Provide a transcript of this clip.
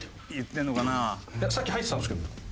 いやさっき入ってたんですけど。